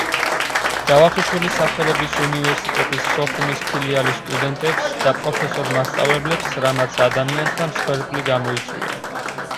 ჯავახიშვილის სახელობის უნივერსიტეტის სოხუმის ფილიალის სტუდენტებს და პროფესორ-მასწავლებლებს, რამაც ადამიანთა მსხვერპლი გამოიწვია.